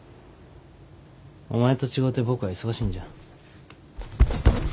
お前と違うて僕は忙しいんじゃ。